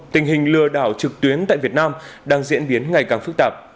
tình hình lừa đảo trực tuyến tại việt nam đang diễn biến ngày càng phức tạp